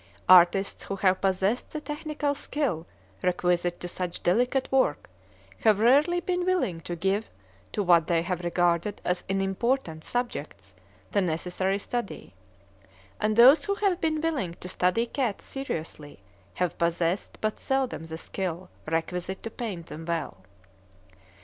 Artists who have possessed the technical skill requisite to such delicate work have rarely been willing to give to what they have regarded as unimportant subjects the necessary study; and those who have been willing to study cats seriously have possessed but seldom the skill requisite to paint them well.